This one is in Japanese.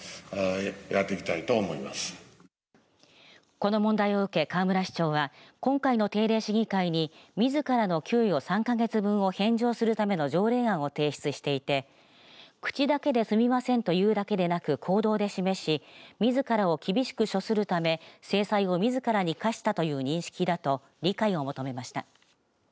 この問題を受け河村市長は今回の定例市議会にみずからの給与３か月分を返上するための条例案を提出していて口だけで、すみませんと言うだけでなく行動で示しみずからを厳しく処するため制裁をみずからに科したという認識だと理解を求めました。